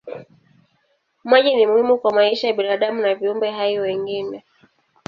Maji ni muhimu kwa maisha ya binadamu na viumbe hai wengine.